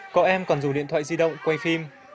có em còn dùng điện thoại di động quay phim